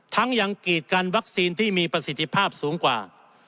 ยังกีดกันวัคซีนที่มีประสิทธิภาพสูงกว่า